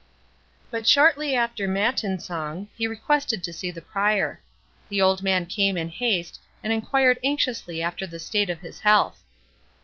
But shortly after matin song, he requested to see the Prior. The old man came in haste, and enquired anxiously after the state of his health.